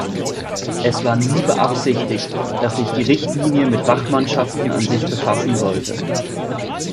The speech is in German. Es war nie beabsichtigt, dass sich die Richtlinie mit Wachmannschaften an sich befassen sollte.